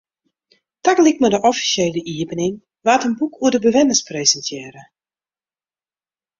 Tagelyk mei de offisjele iepening waard in boek oer de bewenners presintearre.